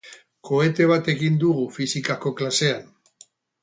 Kohete bat egin dugu fisikako klasean.